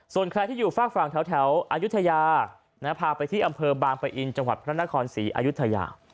ส่วนใครที่อยู่ฝากฝั่งแถวอายุทยาพาไปที่อำเภอบางปะอินจังหวัดพระนครศรีอายุทยา